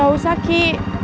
gak usah ki